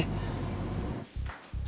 satu jam lagi